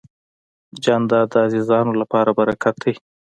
جانداد د عزیزانو لپاره برکت دی.